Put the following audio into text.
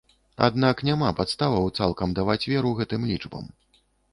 Аднак няма падставаў цалкам даваць веру гэтым лічбам.